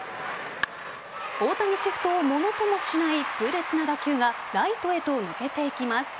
大谷シフトをものともしない痛烈な打球がライトへと抜けていきます。